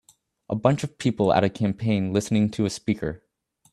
A bunch of people at a campaign listening to a speaker